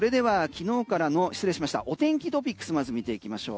お天気トピックスまず見ていきましょう。